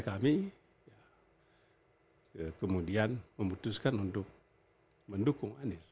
pimpinan partai kami kemudian memutuskan untuk mendukung anies